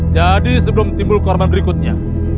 jadi sebelum timbul korban berikutnya